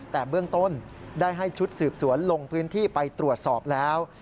แต่เบื้องต้นได้ให้ชุดสืบสวนลงพื้นที่ไปตรวจสอบแล้ว